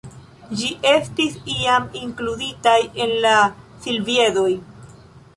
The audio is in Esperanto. Ĝi estis iam inkluditaj en la Silviedoj.